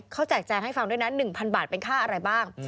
เขาแจกแจงให้ฟังด้วยนะ๑๐๐บาทเป็นค่าอะไรบ้าง